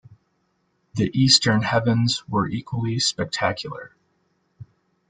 The eastern heavens were equally spectacular.